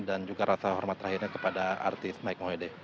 dan juga rasa hormat terakhirnya kepada artis mike mohede